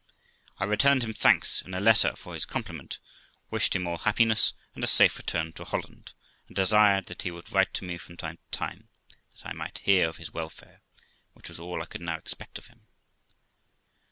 I returned him thanks in a letter for his compliment, wished him all happiness, and a safe return to Holland, and desired that he would write to me from time to time that I might hear of his welfare, which was all I could now expect of him.